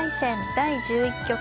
第１１局。